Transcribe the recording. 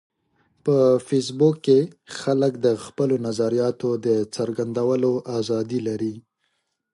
په فېسبوک کې خلک د خپلو نظریاتو د څرګندولو ازادي لري